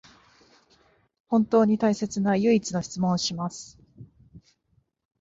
本当に大切な唯一の質問をします